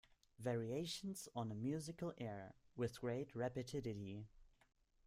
Variations on a musical air With great rapidity.